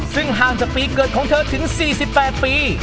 ซึ่งห่างจากปีเกิดของเธอถึง๔๘ปี